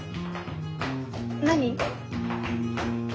何？